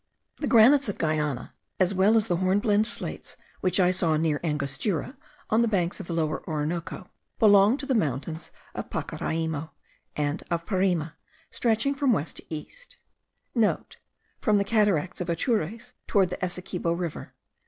The granites of Guiana, as well as the hornblende slates, which I saw near Angostura, on the banks of the Lower Orinoco, belong to the mountains of Pacaraimo and of Parime, stretching from west to east, * (From the cataracts of Atures towards the Essequibo River.